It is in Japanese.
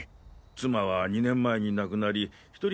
妻は２年前に亡くなり１人